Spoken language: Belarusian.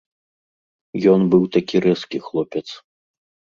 Ён быў такі рэзкі хлопец.